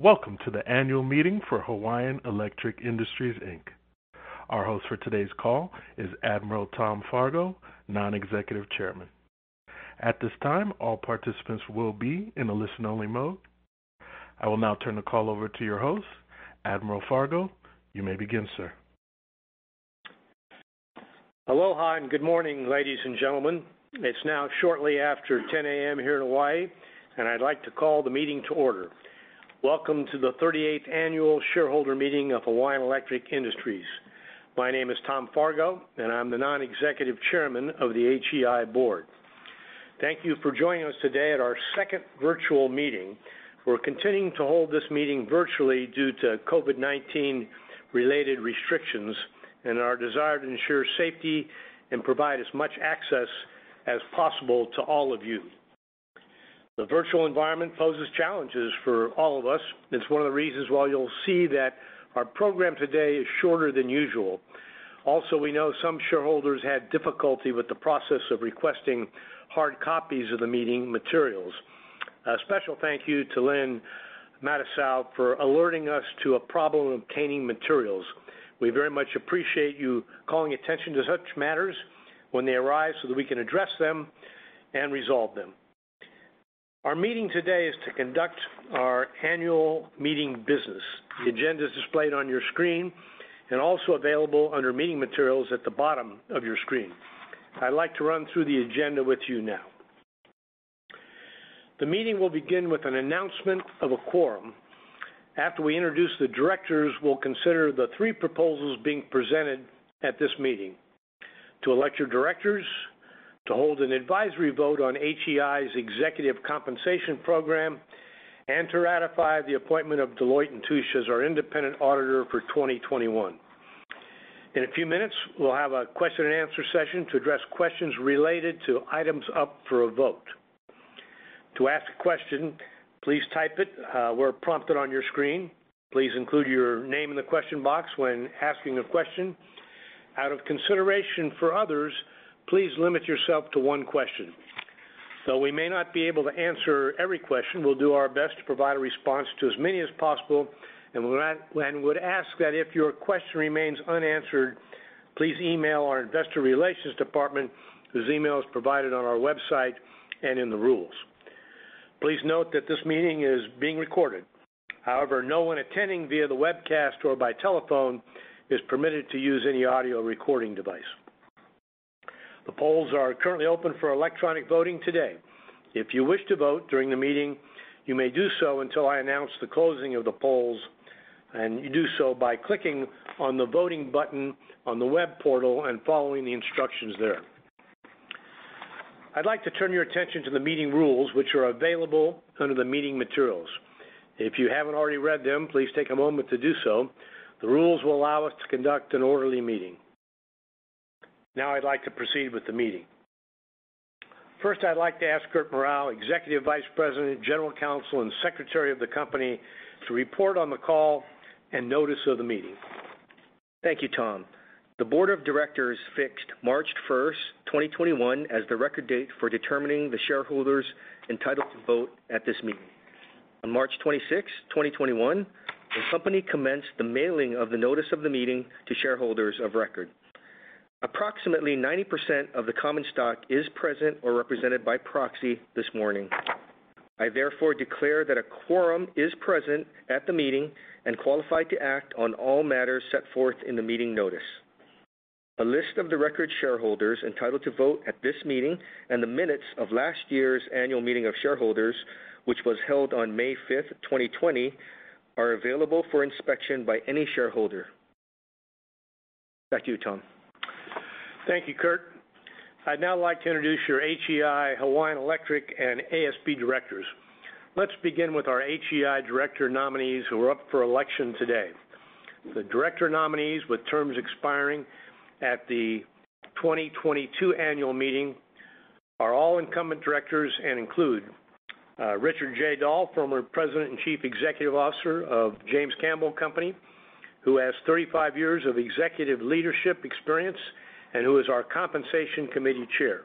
Welcome to the annual meeting for Hawaiian Electric Industries, Inc. Our host for today's call is Admiral Tom Fargo, non-executive chairman. At this time, all participants will be in a listen only mode. I will now turn the call over to your host, Admiral Fargo. You may begin, sir. Aloha, and good morning, ladies and gentlemen. It's now shortly after 10:00 AM here in Hawaii, and I'd like to call the meeting to order. Welcome to the 38th annual shareholder meeting of Hawaiian Electric Industries. My name is Tom Fargo, and I'm the Non-Executive Chairman of the HEI board. Thank you for joining us today at our second virtual meeting. We're continuing to hold this meeting virtually due to COVID-19 related restrictions and our desire to ensure safety and provide as much access as possible to all of you. The virtual environment poses challenges for all of us. It's one of the reasons why you'll see that our program today is shorter than usual. Also, we know some shareholders had difficulty with the process of requesting hard copies of the meeting materials. A special thank you to Lynn Matisow for alerting us to a problem obtaining materials. We very much appreciate you calling attention to such matters when they arise so that we can address them and resolve them. Our meeting today is to conduct our annual meeting business. The agenda is displayed on your screen and also available under meeting materials at the bottom of your screen. I'd like to run through the agenda with you now. The meeting will begin with an announcement of a quorum. After we introduce the directors, we'll consider the three proposals being presented at this meeting: to elect your directors, to hold an advisory vote on HEI's executive compensation program, and to ratify the appointment of Deloitte & Touche as our independent auditor for 2021. In a few minutes, we'll have a question and answer session to address questions related to items up for a vote. To ask a question, please type it where prompted on your screen. Please include your name in the question box when asking a question. Out of consideration for others, please limit yourself to one question. Though we may not be able to answer every question, we'll do our best to provide a response to as many as possible, and would ask that if your question remains unanswered, please email our investor relations department. Those emails provided on our website and in the rules. Please note that this meeting is being recorded. However, no one attending via the webcast or by telephone is permitted to use any audio recording device. The polls are currently open for electronic voting today. If you wish to vote during the meeting, you may do so until I announce the closing of the polls. You do so by clicking on the voting button on the web portal and following the instructions there. I'd like to turn your attention to the meeting rules which are available under the meeting materials. If you haven't already read them, please take a moment to do so. The rules will allow us to conduct an orderly meeting. Now I'd like to proceed with the meeting. First, I'd like to ask Kurt Murao, Executive Vice President, General Counsel, and Secretary of the company, to report on the call and notice of the meeting. Thank you, Tom. The board of directors fixed March 1st, 2021, as the record date for determining the shareholders entitled to vote at this meeting. On March 26th, 2021, the company commenced the mailing of the notice of the meeting to shareholders of record. Approximately 90% of the common stock is present or represented by proxy this morning. I therefore declare that a quorum is present at the meeting and qualified to act on all matters set forth in the meeting notice. A list of the record shareholders entitled to vote at this meeting and the minutes of last year's annual meeting of shareholders, which was held on May 5th, 2020, are available for inspection by any shareholder. Back to you, Tom. Thank you, Kurt. I'd now like to introduce your HEI, Hawaiian Electric, and ASB directors. Let's begin with our HEI director nominees who are up for election today. The director nominees with terms expiring at the 2022 annual meeting are all incumbent directors and include, Richard J. Dahl, former president and chief executive officer of James Campbell Company, who has 35 years of executive leadership experience and who is our Compensation Committee Chair.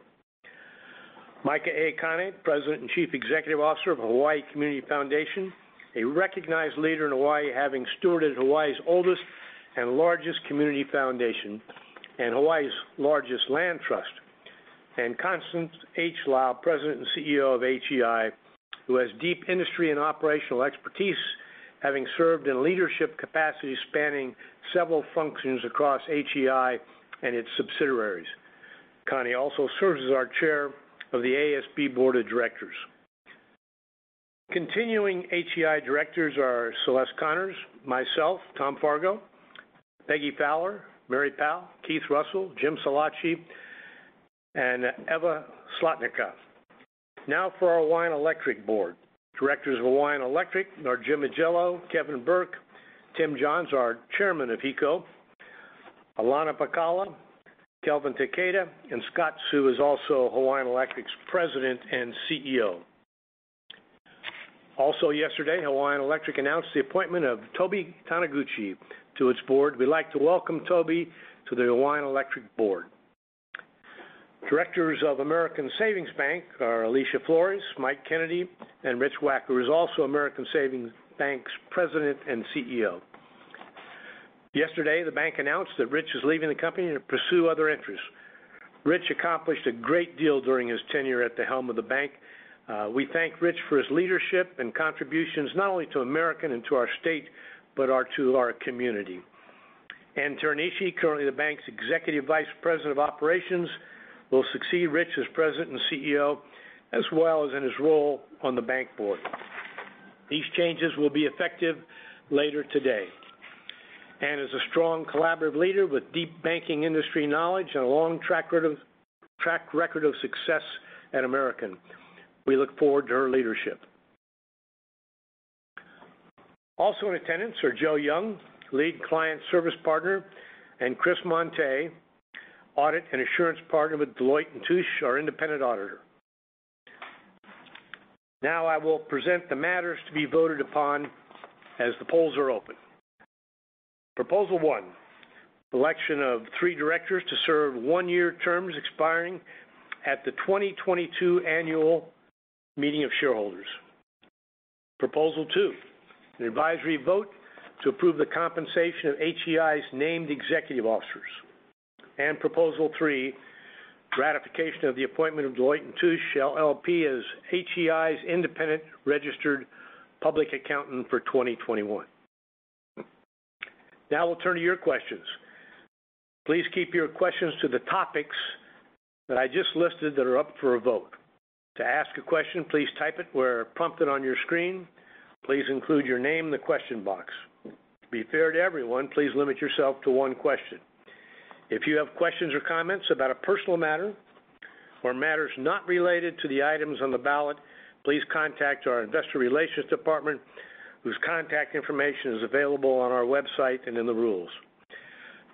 Micah A. Kāne, president and chief executive officer of Hawaii Community Foundation, a recognized leader in Hawaii, having stewarded Hawaii's oldest and largest community foundation and Hawaii's largest land trust. Constance H. Lau, President and CEO of HEI, who has deep industry and operational expertise, having served in leadership capacities spanning several functions across HEI and its subsidiaries. Connie also serves as our Chair of the ASB Board of Directors. Continuing HEI directors are Celeste A. Connors, myself, Thomas B. Fargo, Peggy Y. Fowler, Mary G. Powell, Keith P. Russell, Jim Scilacci, and Eva Zlotnicka. Now for our Hawaiian Electric board. Directors of Hawaiian Electric are James A. Ajello, Kevin M. Burke, Timothy E. Johns, our Chairman of HECO, Alana Pakkala, Calvin Say, and Scott Seu is also Hawaiian Electric's President and Chief Executive Officer. Yesterday, Hawaiian Electric announced the appointment of Toby B. Taniguchi to its board. We'd like to welcome Toby B. Taniguchi to the Hawaiian Electric board. Directors of American Savings Bank are Elisia Flores, Michael J. Kennedy, and Richard Wacker, who's also American Savings Bank's President and Chief Executive Officer. Yesterday, the bank announced that Richard Wacker is leaving the company to pursue other interests. Richard Wacker accomplished a great deal during his tenure at the helm of the bank. We thank Richard Wacker for his leadership and contributions, not only to American and to our state, but to our community. Ann Teranishi, currently the bank's Executive Vice President of Operations, will succeed Rich as President and CEO, as well as in his role on the Bank Board. These changes will be effective later today. Ann is a strong collaborative leader with deep banking industry knowledge and a long track record of success at American. We look forward to her leadership. Also in attendance are Joe Young, Lead Client Service Partner, and Chris Monte, Audit and Assurance Partner with Deloitte & Touche, our independent auditor. Now I will present the matters to be voted upon as the polls are open. Proposal one, election of three directors to serve one-year terms expiring at the 2022 Annual Meeting of Shareholders. Proposal two, an advisory vote to approve the compensation of HEI's named executive officers. Proposal three, ratification of the appointment of Deloitte & Touche LLP as HEI's independent registered public accountant for 2021. Now we'll turn to your questions. Please keep your questions to the topics that I just listed that are up for a vote. To ask a question, please type it where prompted on your screen. Please include your name in the question box. To be fair to everyone, please limit yourself to one question. If you have questions or comments about a personal matter or matters not related to the items on the ballot, please contact our investor relations department, whose contact information is available on our website and in the rules.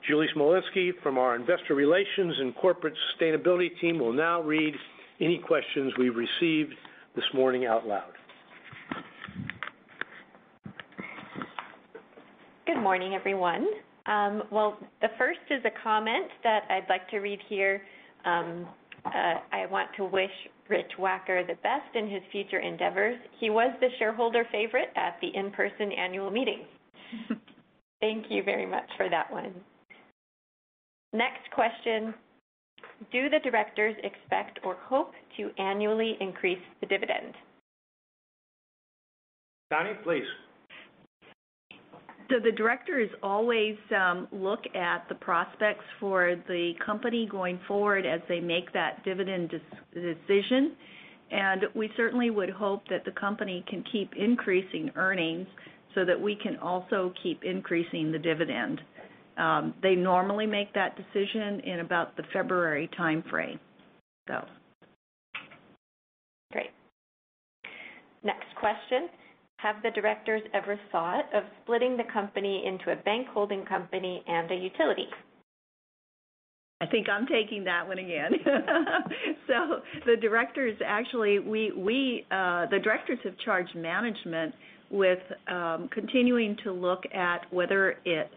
Julie Smolinski from our investor relations and corporate sustainability team will now read any questions we've received this morning out loud. Good morning, everyone. Well, the first is a comment that I'd like to read here. I want to wish Richard Wacker the best in his future endeavors. He was the shareholder favorite at the in-person annual meeting. Thank you very much for that one. Next question, do the directors expect or hope to annually increase the dividend? Connie, please. The directors always look at the prospects for the company going forward as they make that dividend decision, and we certainly would hope that the company can keep increasing earnings so that we can also keep increasing the dividend. They normally make that decision in about the February timeframe. Great. Next question, have the directors ever thought of splitting the company into a bank holding company and a utility? I think I'm taking that one again. The directors have charged management with continuing to look at whether it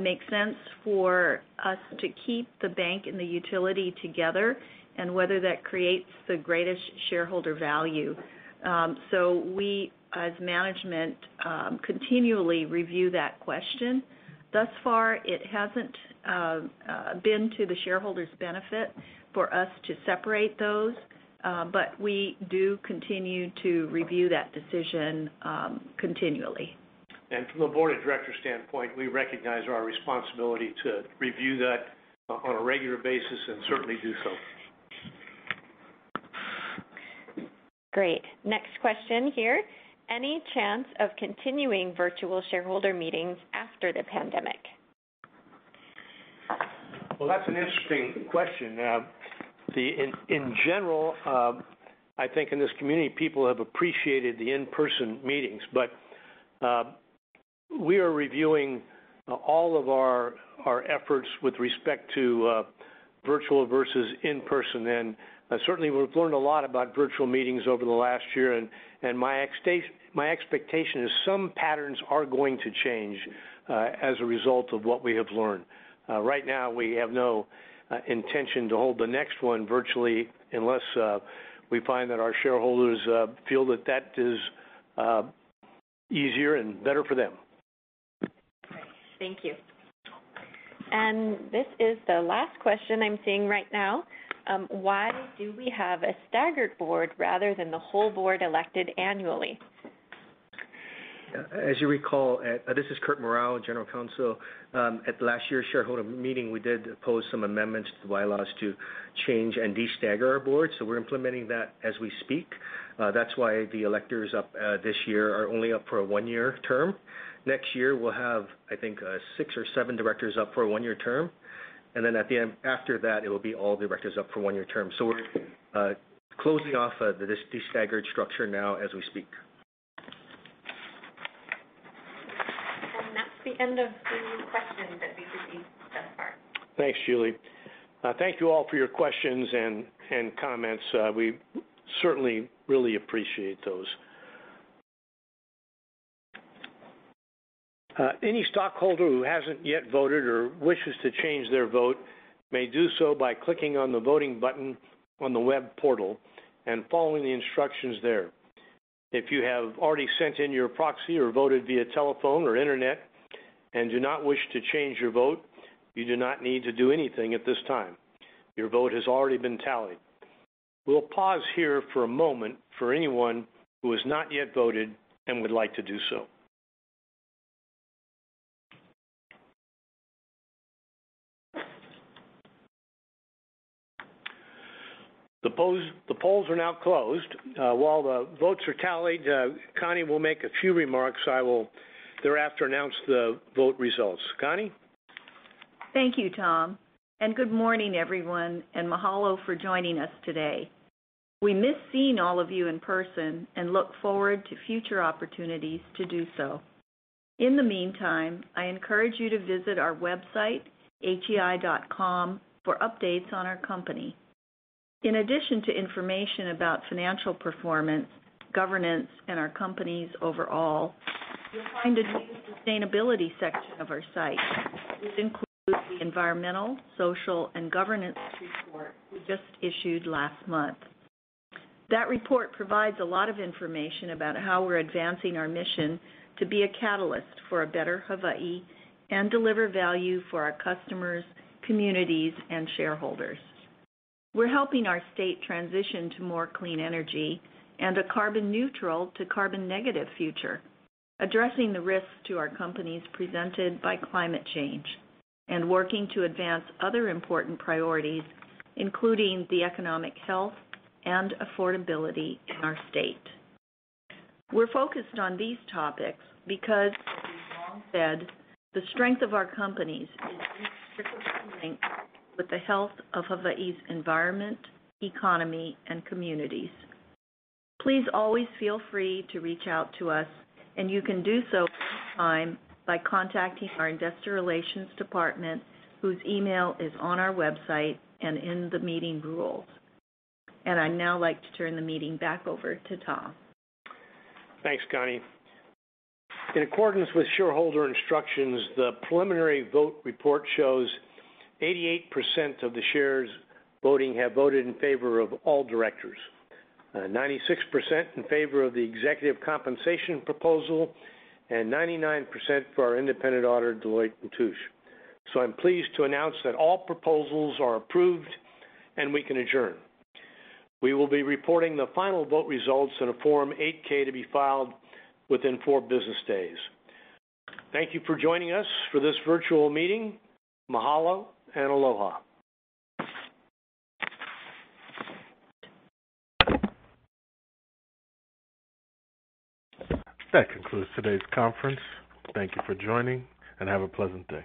makes sense for us to keep the bank and the utility together, and whether that creates the greatest shareholder value. We, as management, continually review that question. Thus far, it hasn't been to the shareholders' benefit for us to separate those. We do continue to review that decision continually. From the board of directors' standpoint, we recognize our responsibility to review that on a regular basis and certainly do so. Great. Next question here. Any chance of continuing virtual shareholder meetings after the pandemic? Well, that's an interesting question. In general, I think in this community, people have appreciated the in-person meetings. We are reviewing all of our efforts with respect to virtual versus in-person, and certainly we've learned a lot about virtual meetings over the last year. My expectation is some patterns are going to change as a result of what we have learned. Right now, we have no intention to hold the next one virtually unless we find that our shareholders feel that that is easier and better for them. Great. Thank you. This is the last question I'm seeing right now. Why do we have a staggered board rather than the whole board elected annually? As you recall, this is Kurt Murao, General Counsel. At last year's shareholder meeting, we did propose some amendments to the bylaws to change and de-stagger our board, we're implementing that as we speak. That's why the electors up this year are only up for a one-year term. Next year, we'll have, I think, six or seven directors up for a one-year term. After that, it'll be all directors up for one-year terms. We're closing off this de-staggered structure now as we speak. That's the end of the questions that we've received thus far. Thanks, Julie. Thank you all for your questions and comments. We certainly really appreciate those. Any stockholder who hasn't yet voted or wishes to change their vote may do so by clicking on the voting button on the web portal and following the instructions there. If you have already sent in your proxy or voted via telephone or internet and do not wish to change your vote, you do not need to do anything at this time. Your vote has already been tallied. We'll pause here for a moment for anyone who has not yet voted and would like to do so. The polls are now closed. While the votes are tallied, Connie will make a few remarks. I will thereafter announce the vote results. Connie? Thank you, Tom, and good morning, everyone, and mahalo for joining us today. We miss seeing all of you in person and look forward to future opportunities to do so. In the meantime, I encourage you to visit our website, hei.com, for updates on our company. In addition to information about financial performance, governance, and our companies overall, you'll find a new sustainability section of our site, which includes the environmental, social, and governance report we just issued last month. That report provides a lot of information about how we're advancing our mission to be a catalyst for a better Hawaii and deliver value for our customers, communities, and shareholders. We're helping our state transition to more clean energy and a carbon neutral to carbon negative future, addressing the risks to our companies presented by climate change and working to advance other important priorities, including the economic health and affordability in our state. We're focused on these topics because we've long said the strength of our companies is inextricably linked with the health of Hawaii's environment, economy, and communities. Please always feel free to reach out to us, and you can do so at any time by contacting our investor relations department, whose email is on our website and in the meeting rules. I'd now like to turn the meeting back over to Tom. Thanks, Connie. In accordance with shareholder instructions, the preliminary vote report shows 88% of the shares voting have voted in favor of all directors, 96% in favor of the executive compensation proposal, and 99% for our independent auditor, Deloitte & Touche. I'm pleased to announce that all proposals are approved and we can adjourn. We will be reporting the final vote results in a Form 8-K to be filed within four business days. Thank you for joining us for this virtual meeting. Mahalo and aloha. That concludes today's conference. Thank you for joining, and have a pleasant day.